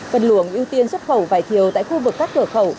phần luồng ưu tiên xuất khẩu vài thiều tại khu vực các cửa khẩu